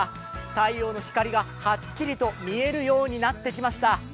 太陽の光がはっきりと見えるようになってきました。